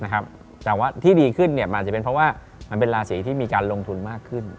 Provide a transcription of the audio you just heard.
แต่ว่าที่ดีขึ้นมันอาจจะเป็นเพราะว่ามันเป็นราศีที่มีการลงทุนมากขึ้น